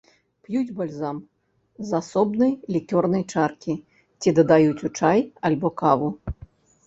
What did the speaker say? П'юць бальзам з асобнай лікёрнай чаркі ці дадаюць у чай альбо каву.